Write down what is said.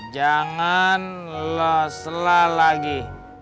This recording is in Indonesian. jangan lo sela lagi